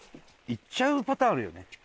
行っちゃうパターンあるよね。